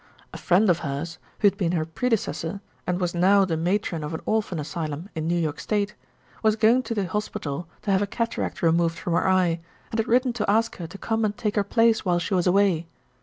A friend of hers, who had been her predecessor, and was now the Matron of an Orphan Asylum in New York State, was going to the hospital to have a cataract removed from her eye, and had written to ask her to come and take her place while she was away.